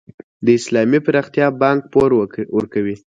د اسلامي پراختیا بانک پور ورکوي؟